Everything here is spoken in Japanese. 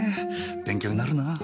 勉強になるなぁ。